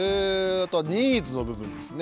あとはニーズの部分ですね。